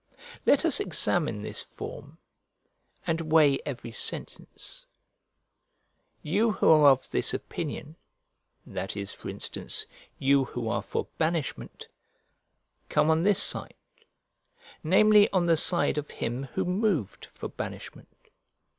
Let us examine this form, and weigh every sentence: You who are of this opinion: that is, for instance, you who are for banishment, come on this side; namely, on the side of him who moved for banishment.